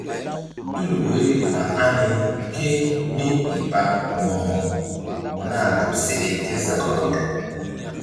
Tul woiri ka̧h ani kémíi ɓa Mo̧ko nah láɓ seɗe kézabaway.